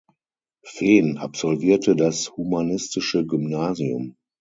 Fehn absolvierte das humanistische Gymnasium.